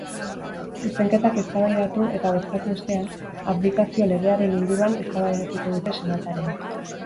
Zuzenketak eztabaidatu eta bozkatu ostean, abdikazio legearen inguruan eztabaidatuko dute senatariek.